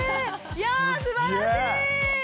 いやぁすばらしい！